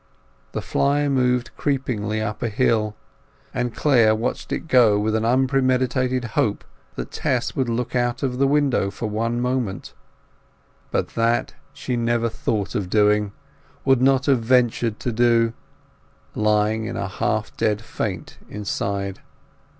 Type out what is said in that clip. The fly moved creepingly up a hill, and Clare watched it go with an unpremeditated hope that Tess would look out of the window for one moment. But that she never thought of doing, would not have ventured to do, lying in a half dead faint inside.